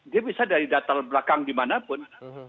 dia bisa dari data belakang dimanapun